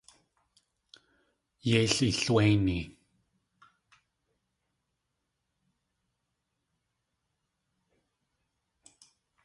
Yéil ilwéini...